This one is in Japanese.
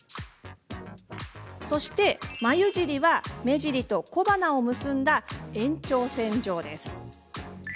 そして、眉尻は目尻と小鼻を結んだ延長線上です。